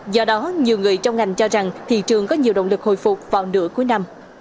do đó nhiều người trong ngành cho rằng thị trường có nhiều động lực hồi phục vào nửa cuối năm